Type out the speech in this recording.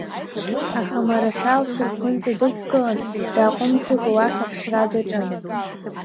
Аха Мараса лшьапԥынҵа дықәгылан, дааҟәымӡҵакәа уахь аԥшра даҿын.